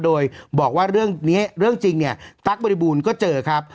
โดยบอกว่าเรื่องนี้เรื่องจริงเนี่ยตั๊กบริบูรณ์ก็เจอครับ